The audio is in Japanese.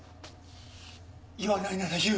言わないなら言う。